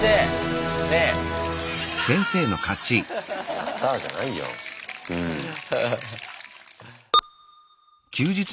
やったじゃないようん。うん。ああ。